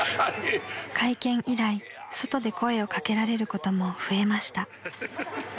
［会見以来外で声を掛けられることも増えました］